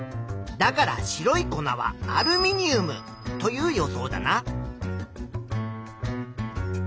だから白い粉はアルミニウムという予想だな。